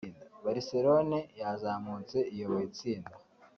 Barcelone yazamutse iyoboye itsinda